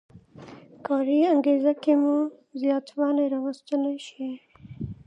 کاري انګېزه کې مو زیاتوالی راوستلی شي.